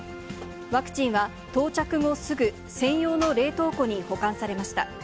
ワクチンは到着後すぐ、専用の冷凍庫に保管されました。